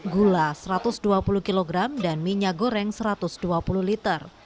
gula satu ratus dua puluh kg dan minyak goreng satu ratus dua puluh liter